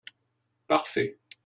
parfait.